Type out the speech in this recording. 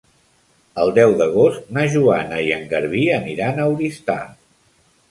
El deu d'agost na Joana i en Garbí aniran a Oristà.